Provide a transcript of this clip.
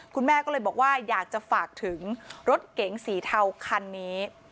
คุณแม่ก็เลยบอกว่าอยากจะฝากถึงรถเก๋งสีเทาคันนี้